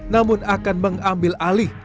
namun akan mengambil alih